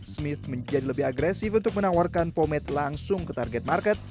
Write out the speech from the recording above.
smith menjadi lebih agresif untuk menawarkan pomed langsung ke target market